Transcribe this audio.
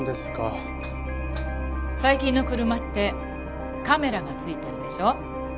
最近の車ってカメラが付いているでしょ？